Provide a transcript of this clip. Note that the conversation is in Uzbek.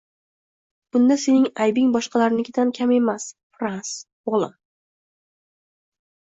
Bunda sening aybing boshqalarnikidan kam emas, Frans, o`g`lim